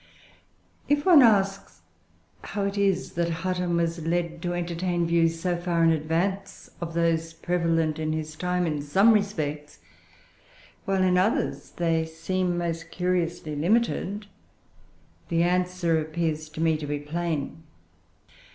If one asks how it is that Hutton was led to entertain views so far in advance of those prevalent in his time, in some respects; while, in others, they seem almost curiously limited, the answer appears to me to be plain.